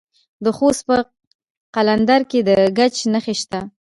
د خوست په قلندر کې د ګچ نښې شته.